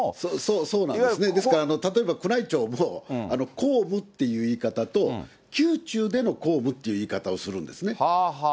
そうなんです、ですから宮内庁も公務っていう言い方と、宮中での公務っていう言い方をするんですね。